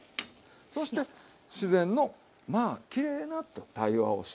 そして自然のまあきれいなと対話をしていうことですわ。